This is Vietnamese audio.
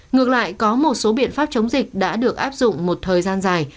ngược lại có một số biện pháp chống dịch đã được áp dụng một thời gian dài